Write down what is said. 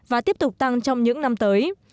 và tiếp tục tăng trong những năm tới